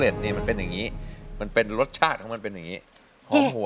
รับเงินทุนไปสู้ชีวิตตามเป้าแล้วค่ะ